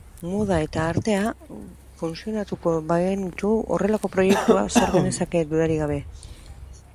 Moda eta artea fusionatuko bagenitu horrelako proiektua sor genezake, dudarik gabe.